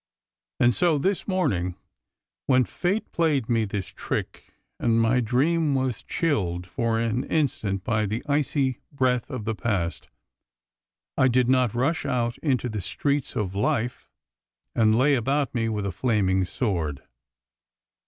And so this morning, when Fate played me this trick and my dream was chilled for an instant by the icy breath of the past, I did not rush out into the streets of life and lay about me with a flaming sword.